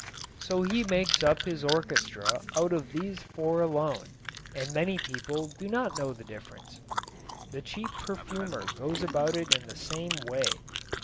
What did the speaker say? So he makes up his orchestra out of these four alone and many people do not know the difference. The cheap perfumer goes about it in the same way.